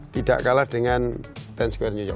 tidak kalah dengan tenskwer nyuyok